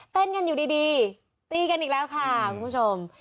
เต้นกันอยู่ดีตีกันอีกแล้วค่ะคุณผู้ชม